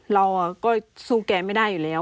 เราก็สู้แกไม่ได้อยู่แล้ว